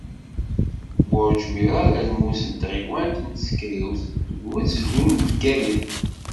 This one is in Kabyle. Burǧ Mira d almus n tɣiwant n Tsekriwt, deg ugezdu n Bgayet.